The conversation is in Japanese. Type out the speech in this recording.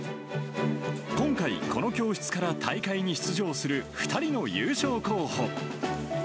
今回、この教室から大会に出場する２人の優勝候補。